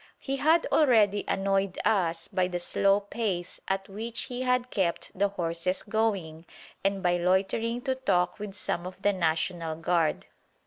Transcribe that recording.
He had already annoyed us by the slow pace at which he had kept the horses going and by loitering to talk with some of the National Guard.